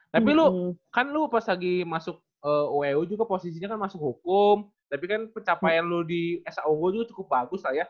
tapi lu kan pas lagi masuk wu juga posisinya kan masuk hukum tapi kan pencapaian lu di sao gue juga cukup bagus lah ya